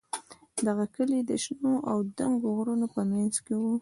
دغه کلی د شنو او دنګو غرونو په منځ کې و.